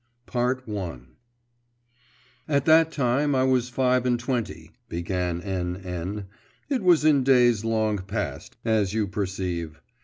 ] ACIA I At that time I was five and twenty, began N. N., it was in days long past, as you perceive.